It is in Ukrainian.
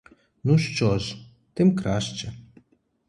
Ну що ж, тим краще.